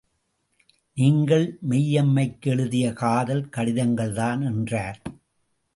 நீங்கள் மெய்யம்மைக்கு எழுதிய காதல் கடிதங்கள்தான் என்றார்.